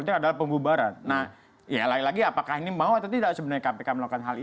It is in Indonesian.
saya dengar lintas komisi